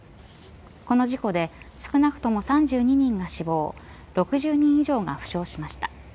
この事故で少なくとも３２人が死亡６０人以上が負傷しました。